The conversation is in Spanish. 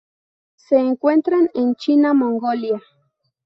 Se encuentran en China Mongolia.